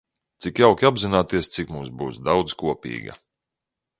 Cik jauki apzināties, cik mums būs daudz kopīga!